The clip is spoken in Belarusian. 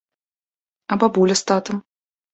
А бабуля з татам?